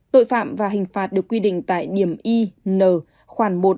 tội phạm và hình phạt được quy định tại điểm i n khoảng một